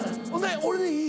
俺でいい？